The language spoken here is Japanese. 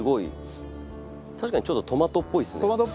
確かにちょっとトマトっぽいですねにおいが。